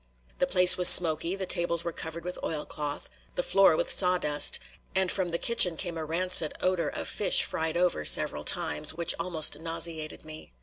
The place was smoky, the tables were covered with oilcloth, the floor with sawdust, and from the kitchen came a rancid odor of fish fried over several times, which almost nauseated me.